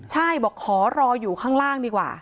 ใช่บอกขอรออยู่ข้างล่างดีกว่า